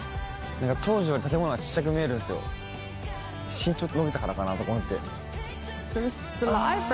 身長伸びたからかなとか思って。